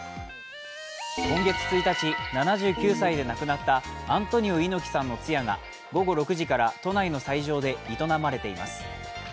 今月１日、７９歳で亡くなったアントニオ猪木さんの通夜が午後６時から都内の斎場で営まれています。